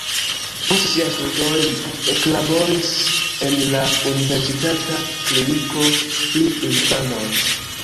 Post siaj studoj li eklaboris en la universitata kliniko pri infanoj.